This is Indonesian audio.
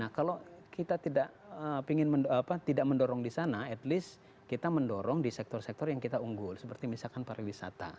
nah kalau kita tidak mendorong di sana at least kita mendorong di sektor sektor yang kita unggul seperti misalkan pariwisata